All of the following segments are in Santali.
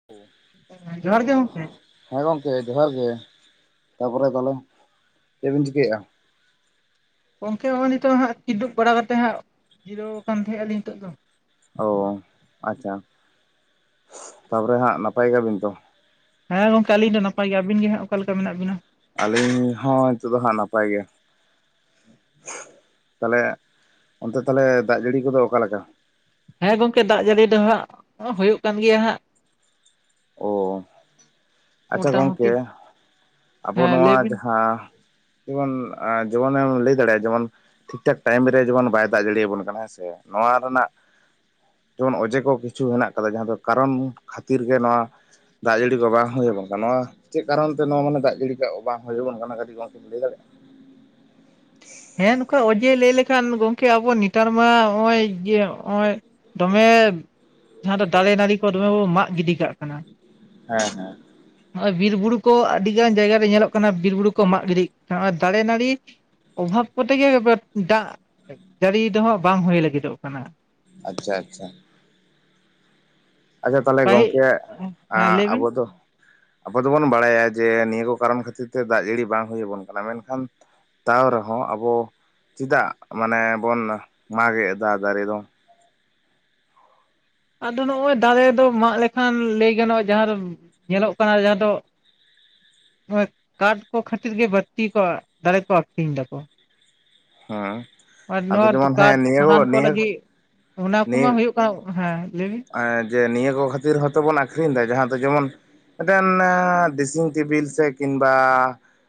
[unintelligible] ᱡᱚᱦᱟᱨ ᱜᱮ ᱜᱚᱢᱠᱮ ᱾ ᱦᱮᱸ ᱜᱚᱢᱠᱮ ᱡᱚᱦᱟᱨ ᱜᱮ ᱾ ᱛᱟᱯᱚᱨᱮ ᱛᱟᱦᱚᱞᱮ ᱪᱮᱫᱵᱤᱱ ᱪᱤᱠᱟᱹᱭᱮᱜᱼᱟ? ᱜᱚᱝᱠᱮ ᱱᱚᱜᱼᱚᱭ ᱱᱤᱛᱚᱜ ᱦᱟᱸᱜ ᱠᱤᱸᱫᱩᱵ ᱵᱟᱲᱟ ᱠᱟᱛᱮᱫ ᱦᱟᱸᱜ, ᱡᱤᱨᱟᱹᱣ ᱟᱠᱟᱱ ᱛᱟᱦᱮᱸᱜ ᱟᱹᱞᱤᱧ ᱱᱤᱛᱚᱜ ᱫᱚ ᱚ ᱟᱪᱪᱷᱟ, ᱛᱟᱯᱚᱨᱮ ᱦᱟᱸᱜ ᱱᱟᱯᱟᱭ ᱜᱮᱭᱟᱵᱤᱱ ᱛᱚ? ᱦᱮᱸ ᱜᱚᱝᱠᱮ ᱟᱹᱞᱤᱧ ᱫᱚ ᱱᱟᱯᱟᱭ ᱜᱮᱭᱟ, ᱟᱵᱤᱱ ᱜᱮ ᱦᱟᱸᱜ ᱚᱠᱟ ᱞᱮᱠᱟ ᱢᱮᱱᱟᱜ ᱵᱤᱱᱟ? ᱟᱹᱞᱤᱧ ᱦᱚᱸ ᱱᱤᱛᱚᱜ ᱫᱚ ᱦᱟᱸᱜ ᱱᱟᱯᱟᱭ ᱜᱮ ᱾ ᱛᱟᱦᱚᱞᱮ ᱚᱱᱛᱮ ᱛᱟᱦᱚᱮ ᱫᱟᱜ ᱡᱟᱹᱲᱤ ᱠᱚᱫᱚ ᱚᱠᱟᱞᱮᱠᱟ? ᱦᱮᱸ ᱜᱚᱝᱠᱮ ᱫᱟᱜ ᱡᱟᱹᱲᱤ ᱫᱚ ᱦᱟᱸᱜ ᱦᱩᱭᱩᱜ ᱠᱟᱱ ᱜᱮᱭᱟ ᱦᱟᱸᱜ ᱚ ᱾ ᱟᱪᱪᱷᱟ, ᱜᱚᱢᱠᱮ ᱢᱚᱴᱟᱢᱩᱴᱤ ᱟᱵᱚ ᱦᱮᱸ ᱱᱚᱣᱟ ᱞᱟᱹᱭ ᱵᱤᱱ ᱡᱟᱦᱟᱸ ᱡᱮᱢᱚᱱ ᱡᱮᱢᱚᱱᱮᱢ ᱞᱟᱹᱭ ᱫᱟᱲᱮᱭᱟᱜᱼᱟ ᱡᱮᱢᱚᱱ ᱾ ᱴᱷᱤᱠ ᱴᱷᱟᱠ ᱴᱟᱭᱤᱢ ᱨᱮ ᱡᱮᱢᱚᱱ ᱵᱟᱭ ᱫᱟᱜ ᱡᱟᱹᱲᱤ ᱟᱵᱚᱱ ᱠᱟᱱᱟ ᱦᱮᱸ ᱥᱮ ᱱᱚᱣᱟ ᱨᱮᱱᱟᱜ ᱡᱮᱢᱚᱱ ᱚᱡᱮ ᱠᱚ ᱠᱤᱪᱷᱩ ᱦᱮᱱᱟᱜ ᱟᱠᱟᱫᱟ ᱡᱟᱦᱟᱸ ᱫᱚ ᱠᱟᱨᱚᱱ ᱠᱷᱟᱹᱛᱤᱨ ᱜᱮ ᱱᱚᱣᱟ ᱫᱟᱜ ᱡᱟᱹᱲᱤ ᱠᱚ ᱵᱟᱝ ᱦᱩᱭ ᱟᱵᱚᱱ ᱠᱟᱱᱟ ᱱᱚᱣᱟ ᱪᱮᱫ ᱠᱟᱨᱚᱱ ᱛᱮ ᱱᱚᱣᱟ ᱢᱟᱱᱮ ᱫᱟᱜ ᱡᱟᱹᱲᱤ ᱠᱚ ᱵᱟᱝ ᱦᱩᱭ ᱟᱵᱚᱱ ᱠᱟᱱᱟ ᱠᱟᱹᱴᱤᱡ ᱜᱚᱝᱠᱮ ᱵᱤᱱ ᱞᱟᱹᱭ ᱫᱟᱲᱮᱭᱟᱜᱼᱟ? ᱦᱮᱸ ᱱᱚᱝᱠᱟ ᱚᱡᱮ ᱞᱟᱹᱭ ᱞᱮᱠᱷᱟᱱ ᱜᱚᱢᱠᱮ ᱟᱵᱚ ᱱᱮᱛᱟᱨ ᱢᱟ ᱱᱚᱜᱼᱚᱭ ᱡᱮ ᱱᱚᱜᱼᱚᱭ ᱫᱚᱢᱮ ᱡᱟᱦᱟᱸ ᱫᱚ ᱫᱟᱨᱮ ᱱᱟᱹᱲᱤ ᱠᱚ ᱫᱚᱢᱮ ᱵᱚ ᱢᱟᱜ ᱜᱤᱰᱤ ᱠᱟᱜ ᱠᱟᱱᱟ ᱾ ᱦᱮᱸ ᱦᱮᱸ ᱾ ᱱᱚᱜᱼᱚᱭ ᱵᱤᱨ ᱵᱩᱨᱩ ᱠᱚ ᱟᱹᱰᱤ ᱜᱟᱱ ᱡᱟᱭᱜᱟ ᱨᱮ ᱧᱮᱞᱚᱜ ᱠᱟᱱᱟ ᱵᱤᱨ ᱵᱩᱨᱩ ᱠᱚ ᱢᱟᱜ ᱜᱤᱰᱤ ᱠᱟᱱᱟ ᱱᱚᱜᱼᱚᱭ ᱫᱟᱨᱮ ᱱᱟᱹᱲᱤ ᱚᱵᱷᱟᱵ ᱠᱚᱛᱮ ᱜᱮ ᱫᱟᱜ ᱡᱟᱹᱲᱤ ᱫᱚᱦᱟᱜ ᱵᱟᱝ ᱦᱩᱭ ᱞᱟᱹᱜᱤᱫᱚᱜ ᱠᱟᱱᱟ ᱾ ᱟᱪᱪᱷᱟ, ᱟᱪᱪᱷᱟ ᱾ ᱟᱪᱪᱷᱟ ᱛᱟᱦᱚᱞᱮ ᱯᱟᱹᱦᱤ ᱜᱚᱝᱠᱮ ᱦᱮᱸ ᱟᱸᱜ ᱞᱟᱹᱭ ᱵᱤᱱ ᱟᱵᱚ ᱫᱚ ᱟᱵᱚ ᱫᱚᱵᱚᱱ ᱵᱟᱲᱟᱭᱟ ᱡᱮ ᱱᱤᱭᱟᱹ ᱠᱚ ᱠᱟᱨᱚᱱ ᱠᱷᱟᱹᱛᱤᱨ ᱛᱮ ᱫᱟᱜ ᱡᱟᱹᱲᱤ ᱵᱟᱝ ᱦᱩᱭᱩ ᱟᱵᱚᱱ ᱠᱟᱱᱟ ᱢᱮᱱᱠᱷᱟᱱ ᱛᱟᱣ ᱨᱮᱦᱚᱸ ᱟᱵᱚ ᱪᱮᱫᱟᱜ ᱢᱟᱱᱮ ᱵᱚᱱ ᱢᱟᱜᱮᱫ ᱮᱫᱟ ᱫᱟᱨᱮ ᱫᱚ? ᱟᱫᱚ ᱱᱚᱜᱼᱚᱭ ᱫᱟᱨᱮ ᱫᱚ ᱢᱟᱜ ᱞᱮᱠᱷᱟᱱ ᱞᱟᱹᱭ ᱜᱟᱱᱚᱜᱼᱟ ᱡᱟᱦᱟᱸ ᱫᱚ ᱧᱮᱞᱚᱜ ᱠᱟᱱᱟ ᱡᱟᱦᱟᱸ ᱫᱚ ᱠᱟᱴ ᱠᱚ ᱠᱷᱟᱹᱛᱤᱨ ᱜᱮ ᱵᱟᱹᱲᱛᱤ ᱠᱚ ᱫᱟᱨᱮ ᱠᱚ ᱟᱠᱷᱨᱤᱧ ᱮ ᱫᱟᱠᱚ ᱾ ᱦᱮᱸ ᱟᱨ ᱟᱫᱚ ᱱᱚᱣᱟ ᱡᱮᱢᱚᱱ ᱠᱟᱴ ᱦᱮᱸ ᱱᱤᱭᱟᱹ ᱥᱟᱦᱟᱱ ᱠᱚ ᱱᱤᱭᱟᱹ ᱞᱟᱹᱜᱤᱫ ᱚᱱᱟ ᱠᱚᱢᱟ ᱦᱩᱭᱩᱜ ᱠᱟᱱᱟ ᱦᱮᱸ ᱞᱟᱹᱭᱵᱤᱱ ᱟᱨ ᱡᱮ ᱱᱤᱭᱟᱹ ᱠᱚ ᱠᱷᱟᱹᱛᱤᱨ ᱦᱚᱸᱛᱚ ᱵᱚᱱ ᱟᱹᱠᱷᱨᱤᱧ ᱫᱟ ᱡᱟᱦᱟᱸ ᱫᱚ ᱡᱮᱢᱚᱱ ᱮᱫᱮᱱᱱᱮ ᱫᱮᱥᱤᱝ ᱴᱮᱵᱤᱞ ᱥᱮ ᱠᱤᱢᱵᱟ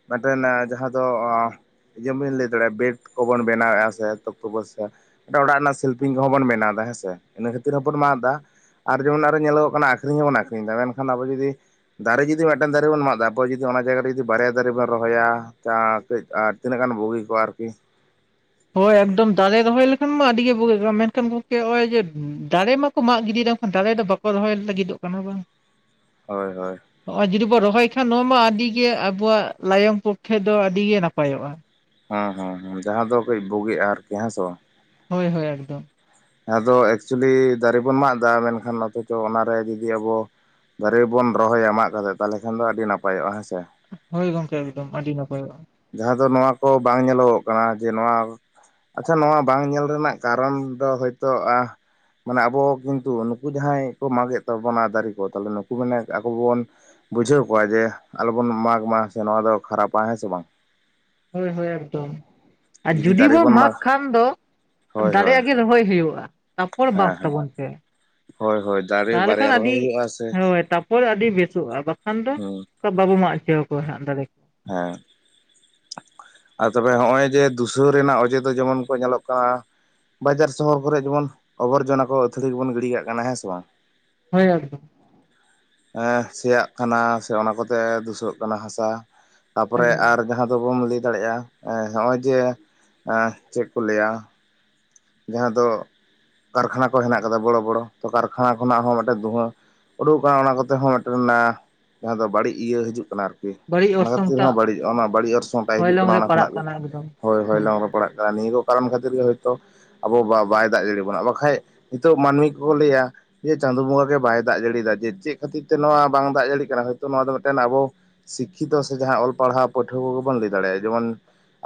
ᱢᱮᱴᱮᱱᱮ ᱡᱟᱦᱟᱸ ᱫᱚ ᱟᱸ ᱡᱮᱢᱮᱧ ᱞᱟᱹᱭ ᱫᱟᱲᱮᱭᱟᱜᱼᱟ ᱵᱮᱰ ᱠᱚᱵᱚᱱ ᱵᱮᱱᱟᱣ ᱮᱼᱟ ᱥᱮ ᱮᱛᱚᱵ ᱠᱚᱵᱚ ᱢᱤᱫᱴᱟᱝ ᱚᱲᱟᱜ ᱨᱮᱱᱟᱜ ᱥᱤᱞᱯᱤᱝ ᱠᱚᱦᱚᱸ ᱵᱚᱱ ᱵᱮᱱᱟᱣ ᱫᱟ ᱦᱮᱸ ᱥᱮ ᱤᱱᱟᱹ ᱠᱷᱟᱹᱛᱤᱨ ᱦᱚᱸᱵᱚᱱ ᱢᱟᱸᱫᱽ ᱫᱟ ᱟᱨ ᱡᱮ ᱚᱱᱟ ᱨᱮ ᱧᱮᱞᱚᱜᱚᱜ ᱠᱟᱱᱟ ᱟᱠᱷᱤᱨᱤᱧ ᱦᱚᱸ ᱵᱚᱱ ᱟᱠᱷᱤᱨᱤᱧ ᱫᱟ ᱢᱮᱱᱠᱷᱟᱱ ᱟᱵᱚ ᱡᱩᱫᱤ ᱫᱟᱨᱤ ᱡᱩᱫᱤ ᱢᱤᱫᱴᱮᱱ ᱫᱟᱨᱤ ᱵᱚᱱ ᱢᱟᱜ ᱫᱟ ᱟᱵᱚ ᱦᱚᱸ ᱡᱩᱫᱤ ᱚᱱᱟ ᱡᱟᱭᱜᱟ ᱨᱮ ᱡᱩᱫᱤ ᱵᱟᱨᱭᱟ ᱫᱟᱨᱮ ᱵᱚᱱ ᱨᱚᱦᱚᱭᱟ [unintelligible] ᱟᱴ ᱛᱤᱱᱟᱹᱜ ᱜᱟᱱ ᱵᱩᱜᱤ ᱠᱚᱜᱼᱟ ᱟᱨᱠᱤ ᱦᱳᱭ ᱮᱠᱫᱚᱢ ᱫᱟᱨᱮ ᱨᱚᱦᱚᱭ ᱞᱮᱠᱷᱟᱱ ᱢᱟ ᱟᱹᱰᱤ ᱜᱮ ᱵᱩᱜᱤᱜ ᱠᱟᱱ ᱢᱮᱱᱠᱷᱟᱱ ᱜᱚᱢᱠᱮ ᱱᱚᱜᱼᱚᱭ ᱡᱮ ᱫᱟᱨᱮ ᱢᱟ ᱠᱚ ᱢᱟᱜ ᱜᱤᱰᱤᱭ ᱫᱟ ᱮᱠᱷᱟᱱ ᱫᱟᱨᱮ ᱫᱚ ᱵᱟᱠᱚ ᱨᱚᱦᱚᱭ ᱞᱟᱹᱜᱤᱫᱚᱜ ᱠᱟᱱᱟ ᱵᱟᱝ ᱦᱚᱭ ᱦᱚᱭ ᱱᱚᱜᱼᱚᱭ ᱡᱩᱫᱤ ᱵᱚ ᱨᱚᱦᱚᱭ ᱠᱷᱟᱱ ᱱᱚᱣᱟ ᱢᱟ ᱟᱹᱰᱤ ᱜᱮ ᱟᱵᱚᱣᱟᱜ ᱞᱟᱭᱚᱝ ᱯᱚᱠᱠᱷᱮ ᱫᱚ ᱟᱹᱰᱤ ᱜᱮ ᱱᱟᱯᱟᱭᱚᱜᱼᱟ ᱦᱟᱸ ᱦᱟᱸ ᱦᱟᱸ ᱡᱟᱦᱟᱸ ᱫᱚ ᱠᱟᱹᱡ ᱵᱩᱜᱤᱜ ᱟᱨ ᱦᱮᱸ ᱥᱮ ᱵᱟᱝ? ᱦᱳᱭ ᱦᱳᱭ ᱮᱠᱫᱚᱢ ᱟᱫᱚ ᱮᱠᱪᱩᱞᱤ ᱫᱟᱨᱮ ᱵᱚᱱ ᱢᱟᱜ ᱫᱟ ᱢᱮᱱᱠᱷᱟᱱ ᱟᱵᱚ ᱫᱚ ᱚᱱᱟᱨᱮ ᱡᱩᱫᱤ ᱟᱵᱚ ᱫᱟᱨᱮ ᱵᱚᱱ ᱨᱚᱦᱚᱭᱟ ᱢᱟᱜ ᱠᱟᱛᱮᱫ ᱛᱟᱦᱚᱞᱮ ᱠᱷᱟᱱ ᱫᱚ ᱟᱹᱰᱤ ᱱᱟᱯᱟᱭᱚᱜᱼᱟ ᱦᱮᱸ ᱥᱮ ᱦᱳᱭ ᱜᱚᱝᱠᱮ ᱮᱠᱫᱚᱢ ᱟᱹᱰᱤ ᱱᱟᱯᱟᱭᱚᱜ-ᱟ ᱡᱟᱦᱟᱸ ᱫᱚ ᱱᱚᱣᱟ ᱠᱚ ᱵᱟᱝ ᱧᱮᱞᱚᱜᱚᱜ ᱠᱟᱱᱟ ᱡᱮ ᱱᱚᱣᱟ ᱟᱪᱪᱷᱟ ᱱᱚᱣᱟ ᱵᱟᱝ ᱧᱮᱞ ᱨᱮᱱᱟᱜ ᱠᱟᱨᱚᱱ ᱫᱚ ᱦᱳᱭᱛᱳ ᱟᱸ ᱢᱟᱱᱮ ᱟᱵᱚ ᱦᱚ ᱠᱤᱱᱛᱩ ᱱᱩᱠᱩ ᱡᱟᱦᱟᱸᱭ ᱠᱚ ᱢᱟᱜ ᱮᱫ ᱛᱟᱵᱚᱱᱟ ᱫᱟᱨᱮ ᱠᱚ ᱛᱟᱦᱞᱮ ᱱᱩᱠᱩ ᱢᱟᱱᱮ ᱟᱵᱚ ᱵᱚᱱ ᱵᱩᱡᱷᱟᱹᱣ ᱠᱚᱣᱟ ᱡᱮ ᱟᱞᱚᱵᱚᱱ ᱢᱟᱜᱽ ᱢᱟ ᱱᱚᱣᱟ ᱫᱚ ᱠᱷᱟᱨᱟᱯᱟ ᱦᱮᱸ ᱥᱮ ᱵᱟᱝ? ᱦᱳᱭ ᱦᱳᱭ ᱮᱠᱫᱚᱢ ᱟᱨ ᱡᱩᱫᱤ ᱵᱚᱱ ᱢᱟᱠᱷ ᱠᱷᱟᱱ ᱫᱚ ᱦᱳᱭ ᱫᱟᱨᱮ ᱦᱳᱭ ᱟᱜᱮ ᱨᱚᱦᱚᱭ ᱦᱩᱭᱩᱜᱼᱟ ᱛᱟᱯᱚᱨ ᱢᱟᱠᱷ ᱛᱟᱵᱚᱱ ᱯᱮ ᱦᱚᱭ ᱦᱚᱭ ᱛᱟᱦᱚᱞᱮ ᱠᱷᱟᱱ ᱟᱹᱰᱤ ᱦᱳᱭ ᱛᱟᱯ ᱦᱚᱭ ᱟᱹᱰᱤ ᱵᱮᱥᱚᱜᱼᱟ ᱵᱟᱠᱷᱟᱱ ᱫᱚ ᱦᱮᱸ ᱛᱟᱯ ᱵᱟᱵᱚ ᱢᱟᱜ ᱦᱚᱪᱚᱣ ᱠᱚᱣᱟ ᱦᱟᱸᱜ ᱫᱟᱨᱮ ᱠᱚ [unintelligible] ᱟᱨ ᱛᱚᱵᱮ ᱦᱚᱸᱜᱼᱚᱭ ᱡᱮ ᱫᱷᱩᱥᱟᱹᱣ ᱨᱮᱱᱟᱜ ᱚᱡᱮ ᱫᱚ ᱡᱮᱢᱚᱱ ᱠᱚ ᱧᱮᱞᱚᱜ ᱠᱟᱱᱟᱹ ᱵᱟᱡᱟᱨ ᱥᱚᱦᱚᱨ ᱠᱚᱨᱮ ᱡᱮᱢᱚᱱ ᱟᱵᱚᱨᱡᱚᱱᱟ ᱠᱚ ᱟᱹᱛᱷᱟᱹᱲᱤ ᱠᱚᱵᱚᱱ ᱜᱤᱰᱤ ᱠᱟᱜ ᱠᱟᱱᱟ ᱦᱮᱸ ᱥᱮ ᱵᱟᱝ? ᱦᱳᱭ ᱮᱠᱫᱚᱢ ᱦᱮᱸ ᱥᱮᱭᱟᱜ ᱠᱟᱱᱟ ᱥᱮ ᱚᱱᱟ ᱠᱚᱛᱮ ᱫᱷᱩᱥᱟᱹᱜ ᱠᱟᱱᱟ ᱦᱟᱥᱟ ᱛᱟᱯᱚᱨᱮ ᱮᱠᱫᱚᱢ ᱟᱨ ᱡᱟᱦᱟᱸ ᱫᱚᱵᱚᱱ ᱞᱟᱹᱭ ᱫᱟᱲᱮᱭᱟᱜᱼᱟ ᱮᱸ ᱦᱚᱜᱼᱚᱭ ᱡᱮ ᱮᱸ ᱪᱮᱫ ᱠᱚ ᱞᱟᱹᱭᱟ ᱡᱟᱦᱟᱸ ᱫᱚ ᱠᱟᱨᱠᱷᱟᱱᱟ ᱠᱚ ᱦᱮᱱᱟᱜ ᱠᱟᱫᱟ ᱵᱚᱲᱚ ᱵᱚᱲᱚ ᱠᱟᱨᱠᱷᱟᱱᱟ ᱠᱷᱚᱱᱟᱜ ᱦᱚᱸ ᱢᱤᱫᱴᱮᱱ ᱫᱷᱩᱶᱟᱹ ᱩᱰᱩᱠ ᱟᱠᱟᱱᱟ ᱚᱱᱟ ᱠᱚᱛᱮ ᱦᱚᱸ ᱢᱤᱫᱴᱮᱱ ᱮᱸ ᱡᱟᱦᱟᱸ ᱫᱚ ᱵᱟᱹᱲᱤᱡ ᱤᱭᱟᱹ ᱦᱤᱡᱩᱜ ᱠᱟᱱᱟ ᱟᱨᱠᱤ ᱵᱟᱹᱲᱤᱡ ᱚᱱᱟ ᱚᱨᱥᱚᱝ ᱠᱷᱟᱹᱛᱤᱨ ᱦᱚᱸ ᱴᱟᱜ ᱵᱟᱹᱲᱤᱡ ᱚᱱᱟ ᱵᱟᱹᱲᱤᱡ ᱚᱨᱥᱚᱝᱴᱟᱭ ᱦᱤᱡᱩᱜ ᱦᱚᱭᱞᱚᱝ ᱠᱟᱱᱟ ᱨᱮ ᱚᱱᱟ ᱯᱟᱲᱟᱜ ᱠᱷᱚᱱᱟᱜ ᱜᱤ ᱠᱟᱱᱟ ᱮᱠᱫᱚᱢ ᱦᱳᱭ ᱦᱳᱭ ᱯᱟᱲᱟᱜ ᱠᱟᱱᱟ ᱱᱤᱭᱟᱹ ᱠᱚ ᱠᱟᱨᱚᱱ ᱠᱷᱟᱹᱛᱤᱨ ᱜᱮ ᱦᱳᱭᱛᱳ ᱟᱵᱚ ᱵᱟ ᱵᱟᱭ ᱫᱟᱜ ᱡᱟᱹᱲᱤ ᱵᱚᱱᱟ ᱵᱟᱠᱷᱟᱡ ᱱᱤᱛᱚᱜ ᱢᱟᱹᱱᱢᱤ ᱠᱚ ᱞᱟᱹᱭᱟ ᱡᱮ ᱪᱟᱸᱫᱩ ᱵᱚᱸᱜᱟ ᱜᱮ ᱵᱟᱭ ᱫᱟᱜ ᱡᱟᱹᱲᱤᱭᱫᱟ ᱡᱮ ᱪᱮᱫ ᱠᱷᱟᱹᱛᱤᱨ ᱛᱮ ᱱᱚᱣᱟ ᱵᱟᱝ ᱫᱟᱜ ᱡᱟᱲᱤ ᱠᱟᱱᱟ ᱦᱚᱭᱛᱳ ᱱᱚᱣᱟ ᱫᱚ ᱢᱤᱫᱴᱮᱱ ᱟᱵᱚ ᱥᱤᱠᱠᱷᱤᱛᱚ ᱥᱮ ᱡᱟᱦᱟᱸ ᱚᱞ ᱯᱟᱲᱦᱟᱣ ᱯᱟᱹᱴᱷᱩᱣᱟᱹ ᱠᱚᱜᱮ ᱵᱚᱱ ᱞᱟᱹᱭ ᱫᱟᱲᱮᱭᱟᱜᱼᱟ ᱡᱮᱢᱚᱱ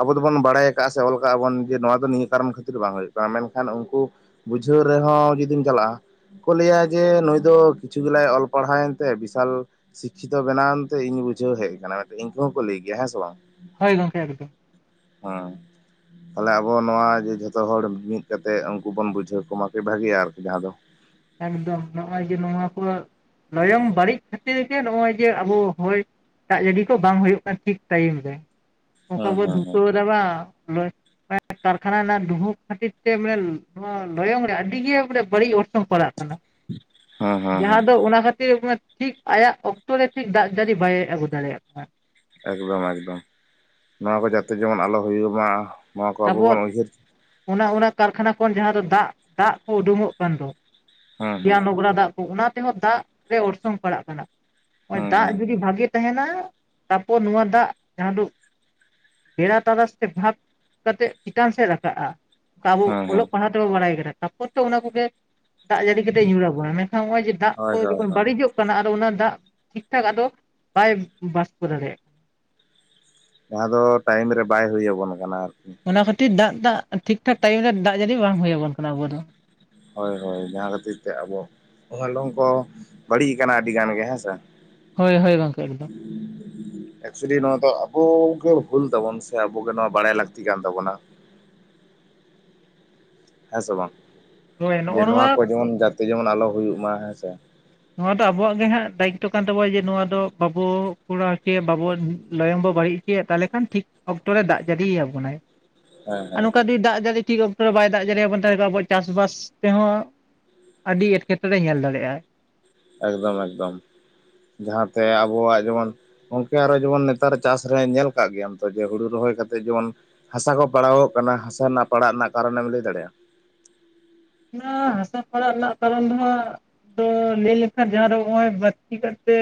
ᱟᱵᱚ ᱫᱚᱵᱚᱱ ᱵᱟᱲᱟᱭ ᱟᱠᱟᱫᱼᱟ ᱥᱮ ᱚᱞ ᱠᱟᱜ ᱟᱵᱚᱱ ᱡᱮ ᱱᱚᱣᱟ ᱫᱚ ᱱᱤᱭᱟᱹ ᱠᱟᱨᱚᱱ ᱠᱷᱟᱹᱛᱤᱨ ᱵᱟᱝ ᱦᱩᱭᱩᱜ ᱠᱟᱱᱟ ᱢᱮᱱᱠᱷᱟᱱ ᱩᱱᱠᱩ ᱵᱩᱡᱷᱟᱹᱣ ᱨᱮᱦᱚᱸ ᱡᱩᱫᱤᱢ ᱪᱟᱞᱟᱜᱼᱟ ᱠᱚ ᱞᱟᱹᱭᱟ ᱡᱮ ᱱᱩᱭ ᱫᱚ ᱠᱤᱪᱷᱩ ᱜᱮᱞᱟᱭ ᱚᱞ ᱯᱟᱲᱦᱟᱣ ᱮᱱᱛᱮ ᱵᱤᱥᱟᱞ ᱥᱤᱠᱠᱷᱤᱛᱚ ᱵᱮᱱᱟᱣ ᱮᱱᱛᱮ ᱤᱧ ᱵᱩᱡᱷᱟᱹᱣ ᱦᱮᱡ ᱟᱠᱟᱱᱟ ᱢᱮᱱᱠᱷᱟᱱ ᱤᱱᱠᱩ ᱦᱚᱸ ᱠᱚ ᱞᱟᱹᱭ ᱜᱮᱭᱟ ᱦᱮᱸ ᱥᱮ ᱵᱟᱝ? ᱦᱳᱭ ᱜᱚᱢᱠᱮ ᱮᱠᱫᱚᱢ ᱦᱮᱸ ᱛᱟᱦᱚᱞᱮ ᱟᱵᱚ ᱱᱚᱣᱟ ᱡᱮ ᱡᱚᱛ ᱡᱚᱛᱚ ᱦᱚᱲ ᱢᱤᱫ ᱠᱟᱛᱮᱫ ᱩᱱᱠᱩ ᱵᱚᱱ ᱵᱩᱡᱷᱟᱹᱣ ᱠᱚᱢᱟ ᱠᱤ ᱵᱷᱟᱜᱤᱭᱟ ᱟᱨᱠᱤ ᱡᱟᱦᱟᱸ ᱫᱚ ᱮᱠᱫᱚᱢ ᱱᱚᱜᱼᱚᱭ ᱡᱮ ᱱᱚᱣᱟ ᱠᱚ ᱞᱟᱭᱚᱝ ᱵᱟᱹᱲᱤᱡ ᱠᱷᱟᱹᱛᱤᱨ ᱜᱮ ᱱᱚᱜᱼᱚᱭ ᱡᱮ ᱟᱵᱚ ᱦᱚᱭ ᱫᱟᱜ ᱡᱟᱹᱲᱤ ᱠᱚ ᱵᱟᱝ ᱦᱩᱭᱩᱜ ᱠᱟᱱᱟ ᱴᱷᱤᱠ ᱴᱟᱭᱤᱢ ᱨᱮ ᱚᱠᱟ ᱦᱮᱸ ᱵᱚᱱ ᱦᱮᱸ ᱦᱮᱸ ᱫᱷᱩᱛᱟᱹᱣᱮᱫᱟ ᱵᱟ ᱞᱚᱡ ᱠᱟᱨᱠᱷᱟᱱᱟ ᱨᱮᱱᱟᱜ ᱫᱷᱩᱣᱟᱹ ᱠᱷᱟᱹᱛᱤᱨ ᱛᱮ ᱢᱟᱱᱮ ᱱᱚᱣᱟ ᱞᱚᱭᱚᱝ ᱨᱮ ᱟᱹᱰᱤ ᱜᱮ ᱢᱟᱱᱮ ᱵᱟᱹᱲᱤᱡ ᱚᱨ ᱠᱚ ᱯᱟᱲᱟᱜ ᱠᱟᱱᱟ ᱦᱮᱸ ᱦᱮᱸ ᱦᱮᱸ ᱡᱟᱦᱟᱸ ᱫᱚ ᱚᱱᱟ ᱠᱷᱟᱹᱛᱤᱨ ᱴᱷᱤᱠ ᱟᱭᱟᱜ ᱚᱠᱛᱚᱨᱮ ᱴᱷᱤᱠ ᱫᱟᱜ ᱡᱟᱹᱲᱤ ᱵᱟᱭ ᱟᱹᱜᱩ ᱫᱟᱲᱮᱭᱟᱜ ᱠᱟᱱᱟ ᱮᱠᱫᱚᱢ ᱮᱠᱫᱚᱢ ᱱᱚᱣᱟ ᱠᱚ ᱡᱟᱛᱮ ᱡᱮᱢᱚᱱ ᱟᱞᱚ ᱦᱩᱭᱩᱜ ᱢᱟ ᱱᱚᱣᱟ ᱠᱚ ᱟᱵᱚ ᱛᱟᱯᱚᱨ ᱵᱚᱱ ᱩᱭᱦᱟᱹᱨ ᱚᱱᱟ ᱚᱱᱟ ᱠᱟᱨᱠᱷᱟᱱᱟ ᱠᱷᱚᱱ ᱡᱟᱦᱟᱸ ᱫᱚ ᱫᱟᱜ, ᱫᱟᱜ ᱠᱚ ᱩᱰᱩᱝᱚᱜ ᱠᱟᱱ ᱫᱚ ᱦᱮᱸ ᱥᱮᱭᱟ ᱦᱮᱸ ᱱᱚᱝᱨᱟ ᱫᱟᱜ ᱚᱱᱟ ᱛᱮᱦᱚᱸ ᱫᱟᱜ ᱨᱮ ᱚᱨᱥᱚᱝ ᱯᱟᱲᱟᱜ ᱠᱟᱱᱟ ᱱᱚᱜ-ᱚᱭ ᱦᱮᱸ ᱦᱮᱸ ᱫᱟᱜ ᱦᱮᱸ ᱡᱩᱫᱤ ᱵᱷᱟᱜᱮ ᱛᱟᱦᱮᱱᱟ ᱛᱟᱨᱯᱚᱨ ᱱᱚᱣᱟ ᱫᱟᱜ ᱡᱟᱦᱟᱸ ᱫᱚ ᱵᱮᱲᱟ ᱛᱟᱨᱟᱥ ᱛᱮ ᱵᱷᱟᱵᱽ ᱠᱟᱛᱮᱫ ᱪᱮᱛᱟᱱ ᱥᱮᱫ ᱨᱟᱠᱟᱵᱼᱟ ᱟᱵᱚ ᱦᱮᱸ ᱦᱮᱸ ᱚᱞᱚᱜ ᱯᱟᱲᱦᱟᱜ ᱵᱟᱲᱟᱭ ᱠᱟᱱᱟ ᱛᱟᱨᱯᱚᱨ ᱛᱚ ᱚᱱᱟ ᱠᱚᱜᱮ ᱫᱟᱜ ᱡᱟᱹᱲᱤ ᱠᱟᱛᱮ ᱧᱩᱨ ᱟᱵᱚᱱᱟ ᱢᱮᱱᱠᱷᱟᱱ ᱱᱚᱜ-ᱚᱭ ᱡᱮ ᱫᱟᱜ ᱦᱳᱭ ᱠᱚ ᱦᱳᱭ ᱡᱚᱠᱷᱚᱱ ᱦᱳᱭ ᱵᱟᱹᱲᱤᱡᱚᱜ ᱠᱟᱱᱟ ᱟᱫᱚ ᱚᱱᱟ ᱫᱟᱜ ᱴᱷᱤᱠ ᱴᱷᱟᱠ ᱟᱫᱚ ᱵᱟᱭ ᱵᱟᱥᱯᱚ ᱫᱟᱲᱮᱭᱟᱜ ᱠᱟᱱᱟ ᱡᱟᱦᱟᱸ ᱫᱚ ᱴᱟᱭᱤᱢ ᱨᱮ ᱵᱟᱭ ᱦᱩ ᱟᱵᱚᱱ ᱠᱟᱱᱟ ᱚᱱᱟ ᱠᱷᱟᱹᱛᱤᱨ ᱫᱟᱜ ᱫᱟᱜ ᱴᱷᱤᱠ ᱴᱷᱟᱠ ᱴᱟᱭᱤᱢ ᱨᱮ ᱫᱟᱜ ᱡᱟᱹᱲᱤ ᱵᱟᱝ ᱦᱩᱭᱟᱵᱚᱱ ᱠᱟᱱᱟ ᱟᱵᱚ ᱫᱚ ᱦᱳᱭ ᱦᱳᱭ ᱡᱟᱦᱟᱸ ᱠᱷᱟᱹᱛᱤᱨ ᱛᱮ ᱟᱵᱚ ᱦᱚᱸᱜ-ᱚᱭ ᱞᱚᱝ ᱠᱚ ᱵᱟᱹᱲᱤᱡ ᱟᱠᱟᱱᱟ ᱟᱹᱰᱤ ᱜᱟᱱ ᱜᱮ ᱦᱮᱸ ᱥᱮ ᱦᱳᱭ ᱦᱳᱭ ᱜᱚᱢᱠᱮ ᱮᱠᱫᱚᱢ ᱮᱠᱪᱚᱞᱤ ᱱᱚᱣᱟ ᱫᱚ ᱟᱵᱚᱜᱮ ᱵᱷᱩᱞ ᱛᱟᱵᱩᱱ ᱥᱮ ᱟᱵᱚᱜᱮ ᱱᱚᱣᱟ ᱵᱟᱲᱟᱭ ᱞᱟᱹᱠᱛᱤ ᱠᱟᱱ ᱛᱟᱵᱚᱱᱟ ᱦᱮᱸ ᱥᱮ ᱵᱟᱝ ᱦᱳᱭ ᱡᱮ ᱱᱚᱜᱼᱚ ᱱᱚᱣᱟ ᱠᱚ ᱡᱮᱢᱚᱱ ᱡᱟᱛᱮ ᱡᱮᱢᱚᱱ ᱟᱞᱚ ᱦᱩᱭᱩᱜ ᱢᱟ ᱦᱮᱸ ᱥᱮ ᱱᱚᱣᱟ ᱫᱚ ᱟᱵᱚᱣᱟᱜ ᱜᱮ ᱦᱟᱸᱜ ᱫᱟᱭᱤᱛᱛᱚ ᱠᱟᱱ ᱛᱟᱵᱚᱣᱟ ᱡᱮ ᱱᱚᱣᱟ ᱫᱚ ᱵᱟᱵᱚ ᱠᱚᱨᱟᱣ ᱠᱮ ᱵᱟᱵᱚ ᱞᱟᱭᱚᱝ ᱵᱚ ᱵᱟᱹᱲᱤᱡ ᱠᱮᱭᱟ ᱛᱟᱦᱚᱞᱮ ᱠᱷᱟᱱ ᱴᱷᱤᱠ ᱚᱠᱛᱚ ᱨᱮ ᱫᱟᱜ ᱡᱟᱹᱲᱤᱭᱵᱚᱱᱟᱭ ᱦᱮᱸ ᱟᱨ ᱦᱮᱸ ᱱᱚᱝᱠᱟ ᱫᱤ ᱫᱟᱜ ᱡᱟᱹᱲᱤ ᱴᱷᱤᱠ ᱚᱠᱛᱚ ᱨᱮ ᱵᱟᱭ ᱫᱟᱜ ᱡᱟᱹᱲᱤ ᱟᱵᱚᱱ ᱛᱟᱦᱞᱮ ᱟᱵᱚ ᱪᱟᱥᱵᱟᱥ ᱛᱮᱦᱚᱸ ᱟᱹᱰᱤ ᱮᱴᱠᱮᱴᱚᱬᱮ ᱧᱮᱞ ᱫᱟᱲᱮᱜ-ᱟᱭ ᱮᱠᱫᱚᱢ ᱮᱠᱫᱚᱢ ᱡᱟᱦᱟᱸᱛᱮ ᱟᱵᱚᱣᱟᱜ ᱡᱮᱢᱚᱱ ᱜᱚᱢᱠᱮ ᱟᱨᱚ ᱡᱮᱢᱚᱱ ᱱᱮᱛᱟᱨ ᱪᱟᱥ ᱨᱮ ᱧᱮᱞ ᱠᱟᱜ ᱜᱮᱭᱟᱢ ᱛᱚ ᱡᱮ ᱦᱩᱲᱩ ᱨᱚᱦᱚᱭ ᱠᱟᱛᱮᱜ ᱡᱮᱢᱚᱱ ᱦᱟᱥᱟ ᱠᱚ ᱯᱟᱲᱟᱣᱚᱜ ᱠᱟᱱᱟ ᱦᱟᱥᱟ ᱨᱮᱱᱟᱜ ᱯᱟᱲᱟᱜ ᱨᱮᱱᱟᱜ ᱠᱟᱨᱚᱱᱮᱢ ᱞᱟᱹᱭ ᱫᱟᱲᱮᱭᱟᱜ-ᱟ? ᱚᱱᱟ ᱦᱟᱥᱟ ᱯᱟᱲᱟᱜ ᱨᱮᱱᱟᱜ ᱠᱟᱨᱚᱱ ᱫᱚ ᱦᱟᱸᱜ ᱛᱚ ᱞᱟᱹᱭ ᱞᱮᱠᱷᱟᱱ ᱡᱟᱦᱟᱸ ᱫᱚ ᱦᱚᱜ-ᱚᱭ ᱵᱟᱹᱲᱛᱤ ᱠᱟᱛᱮ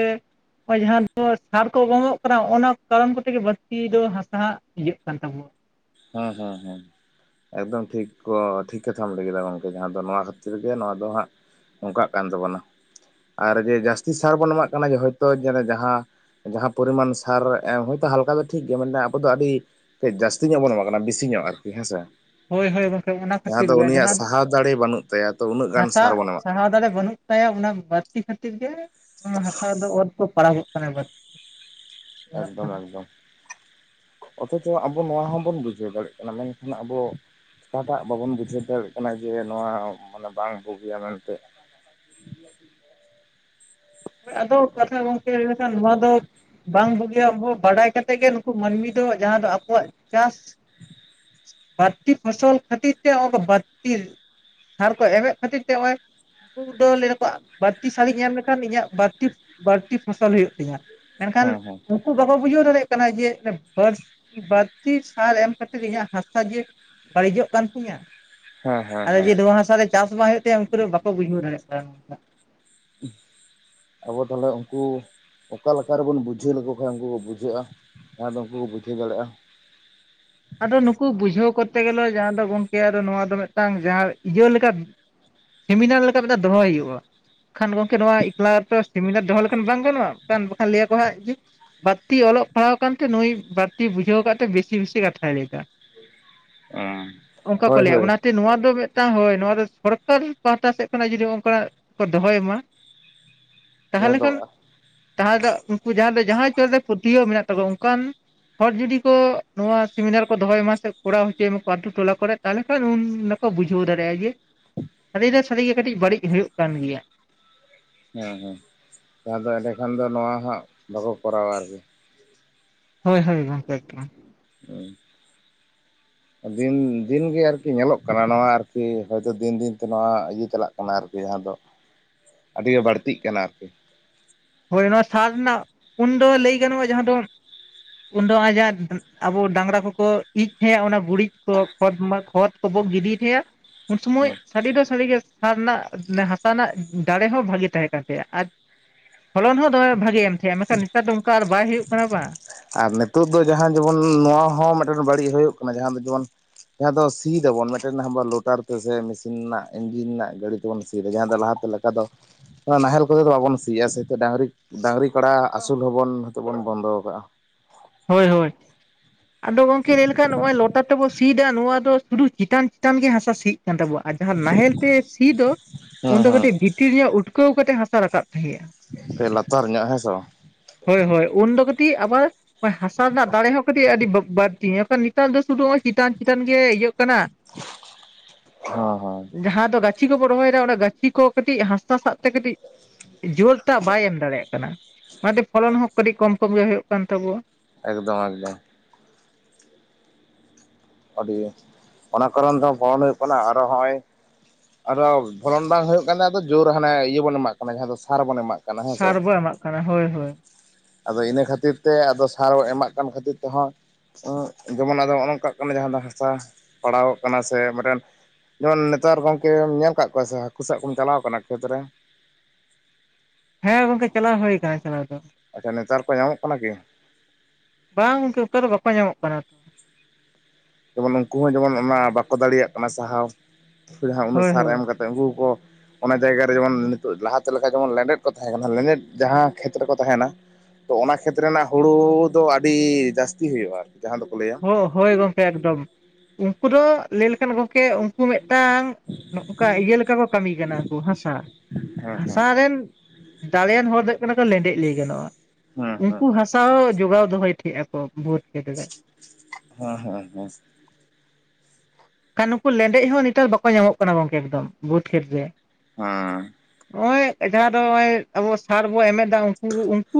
ᱱᱚᱜ-ᱚᱭ ᱡᱟᱦᱟᱸ ᱫᱚ ᱥᱟᱨ ᱠᱚ ᱮᱢᱚᱜᱚᱜ ᱠᱟᱱᱟ ᱚᱱᱟ ᱠᱟᱨᱚᱱ ᱠᱚᱛᱮ ᱜᱮ ᱵᱟᱹᱲᱛᱤ ᱫᱚ ᱦᱟᱥᱟ ᱤᱭᱟᱹᱜ ᱠᱟᱱ ᱛᱟᱵᱚᱱᱟ ᱦᱟᱸ ᱦᱟᱸ ᱦᱩᱸ ᱮᱠᱫᱚᱢ ᱴᱷᱤᱠ ᱠᱚ ᱴᱷᱤᱠ ᱠᱟᱛᱷᱟᱢ ᱞᱟᱹᱭᱠᱤᱫᱟ ᱜᱚᱢᱠᱮ ᱡᱟᱦᱟᱸ ᱫᱚ ᱱᱚᱣᱟ ᱠᱷᱟᱹᱛᱤᱨ ᱜᱮ ᱱᱚᱣᱟ ᱫᱚ ᱦᱟᱸᱜ ᱚᱱᱠᱟᱜ ᱠᱟᱱ ᱛᱟᱵᱳᱱᱟ ᱟᱨ ᱡᱮ ᱡᱟᱹᱥᱛᱤ ᱥᱟᱨ ᱵᱚᱱ ᱮᱢᱟᱜ ᱠᱟᱱᱟ ᱦᱚᱭᱛᱚ ᱡᱟᱦᱟᱸ ᱡᱟᱦᱟᱸ ᱯᱚᱨᱤᱢᱟᱱ ᱥᱟᱨ ᱮᱢ ᱦᱭᱛᱳ ᱦᱟᱞᱠᱟ ᱫᱚ ᱴᱷᱤᱠ ᱜᱮᱭᱟ ᱢᱟᱱᱮ ᱟᱵᱚ ᱫᱚ ᱟᱹᱰᱤ ᱡᱟᱹᱥᱛᱤ ᱛᱤ ᱧᱚᱜ ᱵᱚᱱ ᱮᱢᱟᱜ ᱠᱟᱱᱟ ᱵᱤᱥᱤ ᱧᱚᱜ ᱟᱨᱠᱤ ᱦᱮᱸᱥᱮ ᱦᱳᱭ ᱦᱳᱭ ᱜᱚᱝᱠᱮ ᱚᱱᱟ ᱡᱟᱦᱟᱸ ᱠᱷᱟᱹᱛᱤᱨ ᱫᱚ ᱜᱮ ᱩᱱᱤᱭᱟᱜ ᱫᱚ ᱥᱟᱦᱟᱣ ᱫᱟᱲᱮ ᱵᱟᱹᱱᱩᱜ ᱛᱟᱭᱟ ᱛᱚ ᱩᱱᱟᱹᱜ ᱜᱟᱱ ᱦᱟᱥᱟ ᱥᱟᱨ ᱵᱚᱱ ᱮᱢᱟᱜ ᱥᱟᱦᱟᱣ ᱫᱟᱲᱮ ᱵᱟᱹᱱᱩᱜ ᱛᱟᱭᱟ ᱚᱱᱟ ᱵᱟᱹᱲᱛᱤ ᱠᱷᱟᱹᱛᱤᱨ ᱜᱮ ᱚᱱᱟ ᱦᱟᱥᱟ ᱫᱚ ᱚᱛ ᱠᱚ ᱯᱟᱲᱟᱜᱚᱜ ᱠᱟᱱᱟ ᱵᱟᱹᱲᱛᱤ ᱧᱮᱞᱚᱜ ᱮᱠᱫᱚᱢ ᱠᱟᱱᱟ ᱮᱠᱫᱚᱢ ᱚᱛᱷᱚᱪᱚ ᱟᱵᱚ ᱱᱚᱣᱟ ᱦᱚᱸᱵᱚᱱ ᱵᱩᱡᱷᱟᱹᱣ ᱫᱟᱲᱮᱭᱟᱜ ᱠᱟᱱᱟ ᱢᱮᱱᱠᱷᱟᱱ ᱟᱵᱚ ᱱᱚᱶᱟ ᱦᱟᱸᱜ ᱵᱟᱵᱚᱱ ᱵᱩᱡᱷᱟᱹᱣ ᱫᱟᱲᱮᱭᱟᱜ ᱠᱟᱱᱟ ᱡᱮ ᱱᱚᱣᱟ ᱢᱟᱱᱮ ᱵᱟᱝ ᱵᱩᱜᱤᱭᱟ ᱢᱮᱱᱛᱮ ᱟᱫᱚ ᱠᱟᱛᱷᱟ ᱜᱚᱝᱠᱮ ᱮᱠᱷᱟᱱ ᱱᱚᱣᱟ ᱫᱚ ᱵᱟᱝ ᱵᱩᱜᱤᱭᱟ ᱵᱟᱰᱟᱭ ᱠᱟᱛᱮᱫ ᱜᱮ ᱱᱩᱠᱩ ᱢᱟᱹᱱᱢᱤ ᱫᱚ ᱡᱟᱦᱟᱸ ᱫᱚ ᱟᱠᱚᱣᱟᱜ ᱪᱟᱥ ᱵᱟᱲᱛᱤ ᱯᱷᱚᱥᱚᱞ ᱠᱷᱟᱹᱛᱤᱨ ᱛᱮ ᱵᱟᱲᱛᱤ ᱥᱟᱨ ᱠᱚ ᱮᱢᱮᱫ ᱠᱷᱟᱹᱛᱤᱨ ᱛᱮ ᱱᱚᱜ-ᱚᱭ ᱩᱱᱠᱩ ᱫᱚ ᱞᱟᱹᱭᱟᱠᱚᱣᱟ ᱵᱟᱹᱲᱛᱤ ᱥᱟᱨᱤᱧ ᱮᱢ ᱞᱮᱠᱷᱟᱱ ᱤᱧᱟᱹᱜ ᱵᱟᱹᱲᱛᱤ ᱵᱟᱹᱲᱛᱤ ᱯᱷᱚᱥᱚᱞ ᱦᱩᱭᱩᱜ ᱛᱤᱧᱟᱹ ᱢᱮᱱᱠᱷᱟᱱ ᱦᱮᱸ ᱦᱮᱸ ᱩᱱᱠᱩ ᱵᱟᱠᱚ ᱵᱩᱡᱷᱟᱹᱣ ᱫᱟᱲᱮᱭᱟᱜ ᱠᱟᱱᱟ ᱡᱮ ᱵᱟᱹᱲ ᱵᱟᱹᱲᱛᱤ ᱥᱟᱨ ᱮᱢᱟᱹᱛᱤᱨ ᱤᱧᱟᱹᱜ ᱦᱟᱥᱟ ᱡᱮ ᱵᱟᱹᱲᱤᱡᱚᱜ ᱠᱟᱱ ᱛᱤᱧᱟᱹ ᱦᱮᱸ ᱦᱮᱸ ᱟᱫᱚ ᱦᱮᱸ ᱡᱮ ᱱᱚᱶᱟ ᱦᱟᱥᱟ ᱨᱮ ᱪᱟᱥ ᱵᱟᱝ ᱦᱩᱭᱩᱜ ᱛᱟᱭᱟ ᱩᱱᱠᱩ ᱫᱚ ᱵᱟᱠᱚ ᱵᱩᱡᱷᱟᱹᱣ ᱫᱟᱲᱮᱭᱟᱜ ᱠᱟᱱᱟ [unintelligible] ᱟᱵᱚ ᱛᱟᱦᱚᱞᱮ ᱩᱱᱠᱩ ᱚᱠᱟ ᱞᱮᱠᱟ ᱨᱮᱵᱚᱱ ᱵᱩᱡᱷᱟᱹᱣ ᱞᱮᱠᱚ ᱠᱷᱟᱱ ᱩᱱᱠᱩ ᱠᱚ ᱵᱩᱡᱷᱟᱹᱜ-ᱟ? ᱱᱚᱶᱟᱫᱚ ᱩᱱᱠᱩ ᱠᱚ ᱵᱩᱡᱷᱟᱹᱣ ᱫᱟᱲᱮᱜ-ᱟ ᱟᱫᱚ ᱱᱩᱠᱩ ᱵᱩᱡᱷᱟᱹᱣ ᱠᱚᱨᱛᱮ ᱜᱮᱞᱚ ᱡᱟᱦᱟᱸ ᱫᱚ ᱜᱚᱝᱠᱮ ᱟᱫᱚ ᱱᱚᱣᱟ ᱫᱚ ᱢᱤᱫᱴᱟᱝ ᱡᱟᱦᱟᱸ ᱤᱭᱟᱹ ᱞᱮᱠᱟ ᱥᱮᱢᱤᱱᱟᱨ ᱞᱮᱠᱟ ᱢᱤᱫᱴᱟᱱ ᱫᱚᱦᱚᱭ ᱦᱩᱭᱩᱜ-ᱟ ᱠᱷᱟᱱ ᱜᱚᱝᱠᱮ ᱱᱚᱣᱟ ᱮᱠᱞᱟ ᱨᱮᱛᱚ ᱥᱮᱢᱤᱱᱟᱨ ᱫᱚᱦᱚ ᱞᱮᱠᱷᱟᱱ ᱵᱟᱝ ᱜᱟᱱᱚᱜ-ᱟ ᱵᱟᱠᱷᱟᱱ ᱞᱟᱹᱭᱟᱠᱚ ᱦᱟᱸᱜ ᱡᱮ ᱵᱟᱹᱲᱛᱤ ᱚᱞᱚᱜ ᱯᱟᱲᱦᱟᱣ ᱠᱟᱱᱛᱮ ᱱᱩᱭ ᱵᱟᱹᱲᱛᱤ ᱵᱩᱡᱷᱟᱹᱣ ᱟᱠᱟᱫ ᱛᱮ ᱵᱮᱥᱤ ᱵᱮᱥᱤ ᱠᱟᱛ ᱾ ᱛᱷᱟᱭ ᱞᱟᱹᱭ ᱟᱠᱟᱜᱼᱟ [inaudible] ᱚᱱᱠᱟ ᱠᱚ ᱦᱳᱭ ᱞᱟᱹᱭᱟ ᱦᱳᱭ ᱚᱱᱟᱛᱮ ᱱᱚᱣᱟ ᱫᱚ ᱛᱟ ᱦᱳᱭ ᱱᱚᱣᱟ ᱫᱚ ᱥᱚᱨᱠᱟᱨᱤ ᱯᱟᱦᱟᱴᱟ ᱥᱮᱫ ᱠᱷᱚᱱᱟᱜ ᱡᱩᱫᱤ ᱚᱱᱠᱟᱱᱟᱜ ᱠᱚ ᱫᱚᱦᱚᱭ ᱢᱟ ᱾ ᱡᱟᱦᱟᱸ ᱛᱟᱦᱚᱞᱮ ᱠᱷᱟᱱ ᱫᱚ ᱛᱟᱦᱞᱮ ᱩᱱᱠᱩ ᱡᱟᱦᱟ ᱫᱚ ᱡᱟᱦᱟᱭ ᱪᱚᱞᱨᱮ ᱯᱟᱹᱛᱭᱟᱹᱣ ᱢᱮᱱᱟᱜ ᱛᱟᱠᱚᱣᱟ ᱚᱱᱠᱟᱱ ᱾ ᱦᱚᱲ ᱡᱩᱫᱤ ᱠᱚ ᱱᱚᱣᱟ- ᱥᱮᱢᱤᱱᱟᱨ ᱠᱚ ᱫᱚᱦᱚᱭ ᱢᱟ ᱥᱮ ᱠᱚᱨᱟᱣ ᱦᱚᱪᱚᱭ ᱢᱟᱠᱚ ᱟᱛᱩ ᱴᱚᱞᱟ ᱠᱚᱨᱮ ᱛᱟᱦᱚᱞᱮ ᱠᱷᱟᱱ ᱩᱱᱫᱚ ᱵᱩᱡᱷᱟᱹᱣ ᱫᱟᱲᱮᱭᱟᱜᱼᱟ ᱡᱮ ᱥᱟᱹᱨᱤ ᱫᱚ ᱥᱟᱹᱨᱤᱜᱮ ᱠᱟᱹᱴᱤᱡ ᱵᱟᱹᱲᱤᱡ ᱦᱳᱭᱳᱜ ᱠᱟᱱ ᱜᱮᱭᱟ᱾ ᱦᱮᱸ ᱦᱮᱸ ᱡᱟᱦᱟᱸ ᱫᱚ ᱮᱸᱰᱮ ᱠᱷᱟᱱ ᱫᱚ ᱱᱚᱣᱟ ᱦᱟᱸᱜ ᱵᱟᱠᱚ ᱠᱚᱨᱟᱣᱟ ᱟᱨᱠᱤ᱾ ᱦᱳᱭ ᱦᱳᱭ ᱜᱚᱝᱠᱮ ᱮᱠ ᱾ ᱦᱩᱸ [unintelligible] ᱫᱤᱱ ᱫᱤᱱᱜᱮ ᱟᱨᱠᱤ ᱧᱮᱞᱚᱜ ᱠᱟᱱᱟ ᱱᱚᱣᱟ ᱟᱨᱠᱤ ᱦᱚᱭᱛᱳ ᱫᱤᱱ ᱫᱤᱱᱛᱮ ᱱᱚᱣᱟ ᱤᱭᱟᱹ ᱪᱟᱞᱟᱜ ᱠᱟᱱᱟ ᱟᱨᱠᱤ ᱡᱟᱦᱟᱸ ᱫᱚ ᱾ [inaudible] ᱟᱹᱰᱤᱜᱮ ᱵᱟᱹᱲᱛᱤᱜ ᱠᱟᱱᱟ ᱟᱨᱠᱤ, ᱦᱳᱭ ᱱᱚᱣᱟ ᱥᱟᱨ ᱱᱟᱜ ᱩᱱ ᱫᱚ ᱞᱟᱹᱭ ᱜᱟᱱᱚᱜᱼᱟ ᱡᱟᱦᱟᱸ ᱫᱚ, [unintelligible] ᱟᱵᱚ ᱰᱟᱝᱨᱟ ᱠᱚᱠᱚ ᱤᱡ ᱛᱟᱦᱮᱸᱼᱟ ᱚᱱᱟ ᱜᱩᱨᱤᱡ ᱠᱚ ᱠᱷᱚᱛ ᱢᱟ ᱠᱷᱚᱛ ᱠᱚᱵᱚᱠ ᱜᱤᱰᱤ ᱴᱷᱮᱭᱟᱜ ᱩᱱ ᱥᱚᱢᱚᱭ ᱦᱮᱸ ᱥᱟᱹᱨᱤ ᱫᱚ ᱥᱟᱹᱨᱤᱜᱮ ᱥᱟᱨ ᱨᱮᱱᱟᱜ ᱦᱟᱥᱟ ᱨᱮᱱᱟᱜ ᱫᱟᱲᱮ ᱦᱚᱸ ᱵᱷᱟᱜᱮ ᱛᱟᱦᱮᱸ ᱠᱟᱱ ᱛᱟᱭᱟ ᱟᱨ ᱯᱷᱚᱞᱚᱱ ᱦᱚᱸ ᱫᱚᱢᱮ ᱵᱷᱟᱜᱮ ᱮᱢ ᱛᱟᱦᱮᱸᱜᱼᱟ ᱢᱮᱱᱠᱷᱟᱱ ᱱᱮᱛᱟᱨ ᱫᱚ ᱚᱱᱠᱟ ᱵᱟᱭ ᱦᱩᱭᱩᱜ ᱠᱟᱱᱟ ᱵᱟᱝ- ᱟᱨ ᱱᱤᱛᱚᱜ ᱫᱚ ᱡᱟᱦᱟᱸ ᱡᱮᱢᱚᱱ ᱱᱚᱣᱟ ᱦᱚᱸ ᱢᱤᱫᱴᱮᱱ ᱵᱟᱹᱲᱤᱡ ᱦᱳᱭᱳᱜ ᱠᱟᱱᱟ ᱡᱟᱦᱟᱸ ᱫᱚ ᱡᱮᱢᱚᱱ ᱡᱟᱦᱟᱸ ᱫᱚ ᱥᱤᱭ ᱫᱟᱵᱚᱱ ᱢᱤᱫᱴᱮᱱ ᱦᱟᱵᱟᱨ ᱞᱳᱴᱟᱨ ᱛᱮᱥᱮ ᱢᱮᱥᱤᱱ ᱱᱟᱜ ᱤᱧᱡᱤᱱ ᱱᱟᱜ ᱜᱟᱹᱰᱤ ᱛᱮᱵᱚᱱ ᱥᱤᱭ ᱫᱟ ᱡᱟᱦᱟᱸ ᱫᱚ ᱞᱟᱦᱟᱛᱮ ᱞᱮᱠᱟ᱾ ᱟᱫᱚ, ᱱᱚᱣᱟ ᱱᱟᱦᱮᱞ ᱠᱚᱛᱮ ᱫᱚ ᱵᱟᱵᱚᱱ ᱥᱤᱭᱟᱜᱼᱟ ᱥᱮ ᱛᱚ ᱰᱟᱝᱨᱤ ᱰᱟᱹᱟᱝᱨᱤ ᱠᱟᱲᱟ ᱟᱹᱥᱩᱞ ᱦᱚᱸᱵᱚᱱ ᱦᱚᱭᱛᱚ ᱵᱚᱱ ᱵᱚᱱᱫᱚ ᱠᱟᱜᱼᱟ᱾ ᱦᱳᱭ ᱦᱳᱭ᱾ ᱟᱫᱚ ᱜᱚᱢᱠᱮ ᱞᱟᱹᱭ ᱞᱮᱠᱷᱟᱱ ᱱᱚᱜ ᱚᱭ ᱞᱚᱴᱟ ᱛᱮᱵᱚ ᱥᱮᱭᱫᱟ ᱱᱚᱣᱟ ᱫᱚ ᱥᱩᱫᱷᱩ ᱪᱤᱛᱟᱱ ᱪᱤᱛᱟᱱ ᱜᱮ ᱦᱟᱥᱟ ᱥᱤ ᱠᱟᱱ ᱛᱟᱵᱚᱦᱟ ᱟᱨ ᱡᱟᱦᱟᱸ ᱱᱟᱦᱮᱞ ᱛᱮ ᱥᱤ ᱫᱚ ᱩᱱ ᱫᱚ ᱦᱮᱸ ᱠᱟᱹᱴᱤᱡ ᱵᱷᱤᱛᱤᱨ ᱧᱚᱜ ᱩᱴᱠᱟᱹᱣ ᱠᱟᱛᱮᱜ ᱦᱟᱸᱥᱟ ᱨᱟᱠᱟᱵ ᱛᱟᱦᱮᱸᱜ-ᱟ᱾ ᱛᱮ ᱞᱟᱛᱟᱨ ᱧᱚᱜ ᱦᱮᱸᱥᱮ ᱵᱟᱝ? ᱦᱳᱭ ᱦᱳᱭ ᱩᱱᱫᱚ ᱠᱟᱹᱴᱤᱡ ᱟᱵᱟᱨ ᱦᱟᱥᱟ ᱨᱮᱱᱟᱜ ᱫᱟᱲᱮ ᱦᱚᱸ ᱠᱟᱹᱴᱤᱡ ᱟᱹᱰᱤ ᱵᱟ ᱵᱟᱹᱲᱛᱤ ᱮᱠᱷᱟᱱ ᱱᱤᱛ ᱛᱟᱨ ᱫᱚ ᱥᱩᱰᱩ ᱪᱮᱛᱟᱱ ᱪᱮᱛᱟᱱ ᱜᱮ ᱤᱭᱟᱹᱜ ᱠᱟᱱᱟ᱾ ᱦᱚᱸ ᱦᱚᱸ᱾ ᱡᱟᱦᱟᱸ ᱫᱚ ᱜᱟᱪᱷᱤ ᱠᱚᱵᱚᱱ ᱨᱚᱦᱚᱭᱫᱟ ᱚᱱᱟ ᱜᱟᱪᱷᱤ ᱠᱚ ᱠᱟᱹᱴᱤᱡ ᱦᱟᱥᱟ ᱥᱟᱵ ᱛᱮ ᱠᱟᱹᱴᱤᱡ ᱡᱳᱨ ᱴᱟᱜ ᱵᱟᱭ ᱮᱢ ᱫᱟᱲᱮᱭᱟᱜ ᱠᱟᱱᱟ ᱚᱱᱟᱛᱮ ᱯᱷᱚᱞᱚᱱ ᱦᱚᱸ ᱠᱟᱹᱴᱤᱡ ᱠᱚᱢ ᱠᱚᱢ ᱜᱮ ᱦᱩᱭᱩᱜ ᱠᱟᱱ ᱛᱟᱵᱚᱣᱟ᱾ ᱮᱠᱫᱚᱢ ᱮᱠᱫᱚᱢ, ᱟᱹᱰᱤ, ᱚᱱᱟ ᱠᱟᱨᱚᱱ ᱛᱮᱦᱚᱸ ᱯᱚᱞᱚᱱ ᱦᱳᱭᱳᱜ ᱠᱟᱱᱟ ᱟᱨᱚ ᱦᱚᱸᱜᱼᱚᱭ ᱟᱫᱚ ᱯᱷᱚᱞᱚᱱ ᱵᱟᱝ ᱦᱳᱭᱳᱜ ᱠᱟᱱ ᱛᱟᱦᱮᱸ ᱟᱫᱚ ᱡᱳᱨ ᱦᱟᱱᱮ ᱤᱭᱟᱹ ᱵᱚᱱ ᱮᱢᱟᱜ ᱠᱟᱱᱟ ᱡᱟᱦᱟᱸ ᱫᱚ ᱥᱟᱨ ᱵᱚᱱ ᱮᱢᱟᱜ ᱠᱟᱱᱟ ᱦᱮᱸᱥᱮ ᱥᱟᱨ ᱵᱚ ᱮᱢᱟᱜ ᱠᱟᱱᱟ ᱦᱳᱭ ᱦᱳᱭ᱾ ᱟᱫᱚ ᱤᱱᱟᱹ ᱠᱷᱟᱹᱛᱤᱨ ᱛᱮ ᱟᱫᱚ ᱥᱟᱨ ᱮᱢᱟᱜ ᱠᱟᱱ ᱠᱷᱟᱹᱛᱤᱨ ᱛᱮᱦᱚᱸ ᱩᱸ ᱡᱮᱢᱚᱱ ᱟᱫᱚ ᱦᱚᱜ-ᱚ ᱱᱚᱝᱠᱟ ᱚᱱᱟ ᱡᱟᱦᱟᱸ ᱫᱚ ᱦᱟᱥᱟ ᱯᱟᱲᱟᱣᱚᱜ ᱠᱟᱱᱟ ᱥᱮ ᱢᱤᱫᱴᱮᱱ ᱡᱮᱢᱚᱱ ᱱᱮᱛᱟᱨ ᱜᱚᱝᱠᱮᱢ ᱧᱮᱞ ᱠᱟ ᱠᱚᱣᱟ ᱥᱮ ᱦᱟᱹᱠᱩ ᱥᱟᱵ ᱠᱚᱢ ᱪᱟᱞᱟᱣ ᱠᱟᱱᱟ ᱠᱷᱮᱛ ᱨᱮ? ᱦᱮᱸ ᱜᱚᱝᱠᱮ ᱪᱟᱞᱟᱣ ᱦᱩᱭ ᱠᱟᱱᱟ ᱪᱟᱞᱟᱣ ᱫᱚ ᱾ ᱟᱪᱪᱷᱟ, ᱱᱮᱛᱟᱨ ᱠᱚ ᱧᱟᱢᱚᱜ ᱠᱟᱱᱟ ᱠᱤ? ᱵᱟᱝ ᱜᱚᱝᱠᱮ ᱚᱱᱠᱟ ᱫᱚ ᱵᱟᱠᱚ ᱧᱟᱢᱚᱜ ᱠᱟᱱᱟ᱾ ᱡᱮᱢᱚᱱ ᱩᱱᱠᱩ ᱦᱚᱸ ᱡᱮᱢᱚᱱ ᱚᱱᱟ ᱵᱟᱠᱚ ᱫᱟᱲᱮᱭᱟᱜ ᱠᱟᱱᱟ ᱥᱟᱦᱟᱣ ᱡᱟᱦᱟᱸ ᱩᱱᱟᱹᱜ ᱦᱳᱭ ᱥᱟᱨ ᱦᱳᱭ ᱮᱢ ᱠᱟᱛᱮᱫ ᱩᱱᱠᱩ ᱦᱚᱸᱠᱚ ᱾ ᱚᱱᱟ ᱡᱟᱭᱜᱟ ᱨᱮ ᱡᱮᱢᱚᱱ ᱱᱤᱛᱚᱜ ᱞᱟᱦᱟᱛᱮ ᱞᱮᱠᱟ ᱡᱮᱢᱚᱱ ᱞᱮᱸᱰᱮᱛ ᱠᱚ ᱛᱟᱦᱮᱸ ᱠᱟᱱᱟ ᱞᱮᱸᱰᱮᱛ ᱡᱟᱦᱟᱸ ᱠᱷᱮᱛ ᱨᱮᱠᱚ ᱛᱟᱦᱮᱱᱟ᱾ ᱛᱚ ᱚᱱᱟ ᱠᱷᱮᱛ ᱨᱮᱱᱟᱜ ᱦᱳᱲᱳ ᱫᱚ ᱟᱹᱰᱤ ᱡᱟᱹᱥᱛᱤ ᱦᱳᱭᱳᱜᱼᱟ ᱟᱨᱠᱤ ᱡᱟᱦᱟᱸ ᱫᱚᱠᱚ ᱞᱟᱹᱭᱟ ᱦᱳᱭ ᱜᱚᱝᱠᱮ ᱮᱠᱫᱚᱢ ᱩᱱᱠᱩ ᱫᱚ ᱞᱟᱹᱭ ᱞᱮᱠᱷᱟᱱ ᱜᱚᱝᱠᱮ ᱩᱱᱠᱩ ᱢᱤᱫᱴᱟᱝ ᱱᱚᱝᱠᱟ ᱤᱭᱟᱹ ᱞᱮᱠᱟ ᱠᱚ ᱠᱟᱹᱢᱤ ᱠᱟᱱᱟ ᱠᱚ, ᱦᱟᱥᱟ, ᱦᱮᱸ ᱦᱮᱸ ᱦᱟᱥᱟ ᱨᱮᱱ ᱫᱟᱲᱮᱭᱟᱱ ᱦᱚᱲ ᱫᱚ ᱦᱩᱭᱩᱜ ᱠᱟᱱᱟ ᱠᱚ ᱞᱮᱸᱰᱡ ᱞᱟᱹᱭ ᱜᱟᱱᱚᱜ-ᱟ ᱦᱮᱸ ᱦᱮᱸ ᱩᱱᱠᱩ ᱦᱟᱥᱟ ᱥᱟᱶ ᱡᱚᱜᱟᱣ ᱫᱚᱦᱚᱭ ᱴᱷᱮᱜ ᱟᱠ ᱠᱚ ᱵᱷᱩᱛ ᱠᱷᱮᱛ ᱨᱮ ᱦᱮᱸ ᱦᱮᱸ ᱦᱮᱸ ᱠᱷᱟᱱ ᱱᱩᱠᱩ ᱞᱮᱸᱰᱮᱡ ᱦᱚᱸ ᱱᱮᱛᱟᱨ ᱵᱟᱠᱚ ᱧᱟᱢᱚᱜ ᱠᱟᱱᱟ ᱜᱚᱝᱠᱮ ᱮᱠᱫᱚᱢ ᱵᱩᱫᱽ ᱠᱷᱮᱛ ᱨᱮ ᱦᱚᱸ ᱱᱚᱜ ᱚᱭ ᱡᱟᱦᱟᱸᱫᱚ ᱱᱚᱜᱼᱚᱭ ᱟᱵᱚ ᱥᱟᱨ ᱵᱚ ᱮᱢᱮᱫᱟ ᱩᱱᱠᱩ ᱩᱱᱠᱩ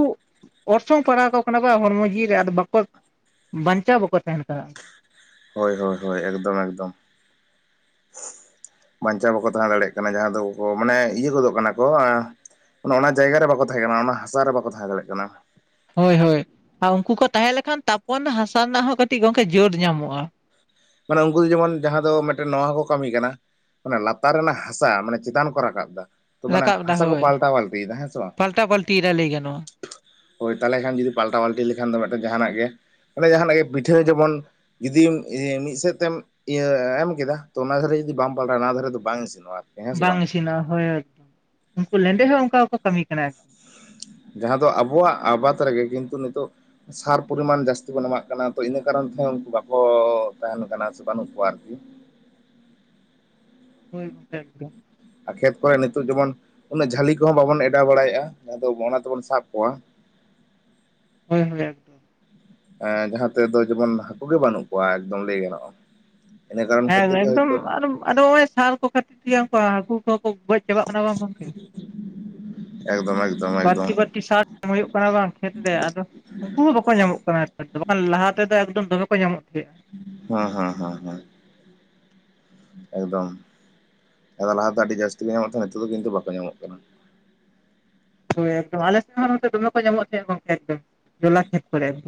ᱚᱨᱥᱚᱝ ᱯᱟᱲᱟᱣ ᱟᱠᱚ ᱠᱟᱱᱟ ᱵᱟᱝ ᱦᱚᱲᱢᱚ ᱡᱤᱣᱤ ᱨᱮ ᱟᱫᱚ ᱵᱟᱠᱚ ᱵᱟᱧᱪᱟᱣ ᱵᱟᱠᱚ ᱛᱟᱦᱮᱱ ᱠᱟᱱᱟ ᱦᱳᱭ ᱦᱳᱭ ᱦᱳᱭ ᱮᱠᱫᱚᱢ ᱮᱠᱫᱚᱢ ᱵᱟᱧᱪᱟᱣ ᱵᱟᱠᱚ ᱛᱟᱦᱮᱸ ᱫᱟᱲᱮᱭᱟᱜ ᱠᱟᱱᱟ ᱡᱟᱦᱟᱸ ᱫᱚ ᱢᱟᱱᱮ ᱤᱭᱟᱹ ᱜᱚᱫᱚᱜ ᱠᱟᱱᱟ ᱠᱚ ᱚᱱᱟ ᱡᱟᱭᱜᱟ ᱨᱮ ᱵᱟᱠᱚ ᱛᱟᱦᱮᱸ ᱠᱟᱱᱟ ᱚᱱᱟ ᱦᱟᱥᱟ ᱨᱮ ᱵᱟᱠᱚ ᱛᱟᱦᱮᱸ ᱫᱟᱲᱮᱭᱟᱜ ᱠᱟᱱᱟ ᱦᱳᱭ ᱦᱳᱭ ᱟᱨ ᱩᱱᱠᱩ ᱠᱚ ᱛᱟᱦᱮᱸ ᱞᱮᱠᱷᱟᱱ ᱛᱟᱯᱚᱱ ᱦᱟᱥᱟ ᱨᱮᱱᱟᱜ ᱦᱚᱸ ᱠᱟᱹᱴᱤᱡ ᱜᱚᱝᱠᱮ ᱡᱳᱨ ᱧᱟᱢᱚᱜ-ᱟ ᱢᱟᱱᱮ ᱩᱱᱠᱩ ᱫᱚ ᱡᱮᱢᱚᱱ ᱡᱟᱦᱟᱸ ᱫᱚ ᱢᱤᱫᱴᱮᱱ ᱱᱚᱣᱟ ᱦᱚᱸᱠᱚ ᱠᱟᱹᱢᱤ ᱠᱟᱱᱟ᱾ ᱚᱱᱟ ᱞᱟᱛᱟᱨ ᱨᱮᱱᱟᱜ ᱦᱟᱥᱟ ᱢᱟᱱᱮ ᱪᱮᱛᱟᱱ ᱠᱚ ᱨᱟᱠᱟᱵ ᱮᱫᱟ᱾ ᱛᱚ ᱢᱟᱱᱮ ᱨᱟᱠᱟᱵ ᱮᱫᱟ ᱦᱟᱥᱟ ᱠᱚ ᱦᱳᱭ ᱯᱟᱞᱴᱟᱣ ᱯᱟᱞᱴᱤᱭᱮᱫᱟ ᱦᱮᱸᱥᱮ ᱵᱟᱝ ᱯᱟᱞᱴᱟ ᱯᱟᱞᱴᱤ ᱮᱫᱟ ᱞᱟᱹᱭ ᱜᱟᱱᱚᱜᱼᱟ ᱦᱳᱭ ᱛᱟᱦᱚᱞᱮ ᱠᱷᱟᱱ ᱡᱩᱫᱤ ᱯᱟᱞᱴᱟᱣ ᱯᱟᱞᱴᱤ ᱞᱮᱠᱷᱟᱱ ᱫᱚ ᱢᱤᱫᱴᱮᱱ ᱡᱟᱦᱟᱱᱟᱜ ᱜᱮ ᱚᱱᱮ ᱡᱟᱦᱟᱱᱟᱜ ᱜᱮ ᱯᱤᱴᱷᱟᱹ ᱡᱮᱢᱚᱱ ᱡᱩᱫᱤᱢ ᱥᱮᱫ ᱛᱮᱢ ᱤᱭᱟᱹ ᱮᱢ ᱠᱮᱫᱟ ᱛᱚ ᱚᱱᱟ ᱫᱷᱟᱨᱮ ᱡᱩᱫᱤ ᱵᱟᱢ ᱯᱟᱞᱴᱟᱣᱟ ᱚᱱᱟ ᱫᱷᱟᱨᱮ ᱫᱚ ᱵᱟᱝ ᱤᱥᱤᱱᱚᱜᱼᱟ ᱟᱨᱠᱤ ᱦᱮᱸ ᱥᱮ ᱵᱟᱝ ᱤᱥᱤᱱᱟ ᱦᱳᱭ ᱮᱠᱫᱚᱢ ᱩᱱᱠᱩ ᱞᱮᱸᱰᱮ ᱦᱚᱸ ᱚᱱᱠᱟᱠᱚ ᱠᱟᱹᱢᱤ ᱠᱟᱱᱟ ᱡᱟᱦᱟᱸ ᱫᱚ ᱟᱵᱚᱣᱟᱜ ᱟᱵᱟᱫᱽ ᱨᱮᱜᱮ ᱠᱤᱱᱛᱩ ᱱᱤᱛᱚᱜ ᱥᱟᱨ ᱯᱚᱨᱤᱢᱟᱱ ᱡᱟᱹᱥᱛᱤ ᱵᱚᱱ ᱮᱢᱟᱜ ᱠᱟᱱᱟ ᱛᱚ ᱤᱱᱟᱹ ᱠᱟᱨᱚᱱ ᱛᱮ ᱩᱱᱠᱩ ᱵᱟᱠᱚ ᱛᱟᱦᱮᱱ ᱠᱟᱱᱟ ᱥᱮ ᱵᱟᱹᱱᱩᱜ ᱠᱚᱣᱟ ᱟᱨᱠᱤ ᱦᱳᱭ [unintelligible] ᱟᱨ ᱠᱷᱮᱛ ᱠᱚᱨᱮ ᱱᱤᱛᱚᱜ ᱡᱮᱢᱚᱱ ᱩᱱᱟᱹᱜ ᱠᱷᱮᱛ ᱠᱚᱨᱮ ᱱᱤᱛᱳ ᱮᱢᱚᱱ ᱡᱷᱟᱹᱞᱤ ᱠᱚᱦᱚᱸ ᱵᱟᱵᱚᱱ ᱮᱰᱟᱣ ᱵᱟᱲᱟᱭᱮᱫᱼᱟ ᱡᱟᱦᱟᱸ ᱫᱚ ᱚᱱᱟ ᱛᱮᱵᱚᱱ ᱥᱟᱵ ᱠᱚᱣᱟ ᱦᱳᱭ ᱡᱟᱦᱟᱸ ᱛᱮᱫᱚ ᱡᱮᱢᱚᱱ ᱦᱟᱹᱠᱩ ᱜᱮ ᱵᱟᱹᱱᱩᱜ ᱠᱚᱣᱟ ᱮᱠᱫᱚᱢ ᱞᱟᱹᱭ ᱜᱟᱱᱚᱜ-ᱟ ᱦᱮᱸ ᱮᱠᱫᱚᱢ ᱟᱫᱚ ᱱᱚᱜᱼᱚᱭ ᱥᱟᱨ ᱠᱚ ᱠᱷᱟᱹᱛᱤᱨ ᱜᱮ ᱩᱱ ᱦᱟᱹᱠᱩ ᱠᱚᱦᱚᱸ ᱠᱚ ᱜᱚᱡ ᱪᱟᱵᱟᱜ ᱠᱟᱱᱟ ᱵᱚᱱ ᱜᱚᱢᱠᱮ ᱮᱠᱫᱚᱢ ᱮᱠᱫᱚᱢ [inaudible] ᱮᱠᱫᱚᱢ ᱵᱟᱨᱛᱤ ᱵᱟᱨᱛᱤ ᱥᱟᱨ ᱮᱢ ᱦᱩᱭᱩᱜ ᱠᱟᱱᱟ ᱵᱟᱝ ᱠᱷᱮᱛᱨᱮ ᱟᱫᱚ ᱩᱱᱠᱩ ᱦᱚᱸ ᱵᱟᱠᱚ ᱧᱟᱢᱚᱜ ᱠᱟᱱᱟ ᱵᱟᱝ ᱞᱟᱦᱟ ᱛᱮᱫᱚ ᱮᱠᱫᱚᱢ ᱫᱚᱢᱮ ᱠᱚ ᱧᱟᱢᱚᱜ ᱛᱟᱦᱮᱸᱜᱼᱟ ᱦᱮᱸ ᱦᱮᱸ ᱦᱮᱸ ᱦᱮᱸ ᱮᱠᱫᱚᱢ ᱟᱫᱚ ᱞᱟᱦᱟ ᱫᱚ ᱟᱹᱰᱤ ᱡᱟᱹᱥᱛᱤ ᱜᱮ ᱧᱟᱢᱚᱜ ᱛᱟᱦᱮᱸᱱᱟ ᱱᱤᱛᱚᱜ ᱫᱚ ᱠᱤᱱᱛᱩ ᱵᱟᱠᱚ ᱧᱟᱢᱚᱜ ᱠᱟᱱᱟ ᱮᱠᱫᱚᱢ ᱟᱞᱮᱥᱮᱫ ᱦᱚᱸ ᱱᱚᱛᱮ ᱫᱚᱢᱮ ᱠᱚ ᱧᱟᱢᱚᱜ ᱛᱟᱦᱮᱸᱜᱼᱟ ᱮᱠᱫᱚᱢ ᱡᱚᱞᱟ ᱠᱷᱮᱛ ᱠᱚᱨᱮ